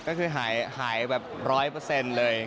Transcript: ก็คือหายแบบร้อยเปอร์เซ็นต์เลย